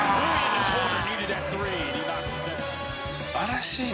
「素晴らしいね」